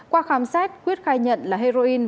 qua khám xét quyết khai nhận là heroin